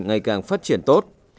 ngày càng phát triển tốt